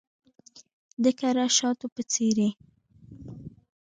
د کره شاتو په څیرې